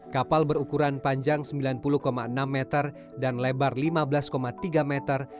kapal berukuran panjang sembilan puluh enam meter dan lebar lima belas tiga meter